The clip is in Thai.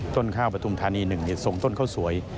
ต้นข้าวปฐุมธานี๑ส่งต้นข้าวสวย